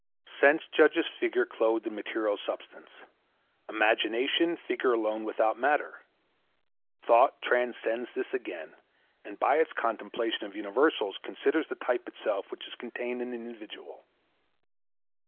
Sense judges figure clothed in material substance, Imagination figure alone without matter. Thought transcends this again, and by its contemplation of universals considers the type itself which is contained in the individual.